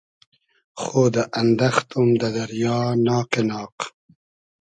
خۉدۂ اندئختوم دۂ دئریا ناقی ناق